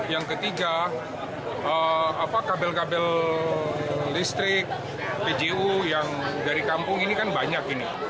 yang ketiga kabel kabel listrik pju yang dari kampung ini kan banyak ini